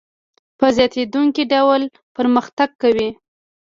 په زیاتېدونکي ډول پرمختګ کوي